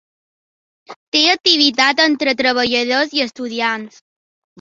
Té activitat entre treballadors i estudiants.